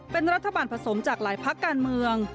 เป็นรัฐบาลผสมจากหลายพักการเมือง